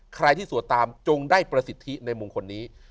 ใครที่สวดตามจงได้ประสิทธิในมงคลนี้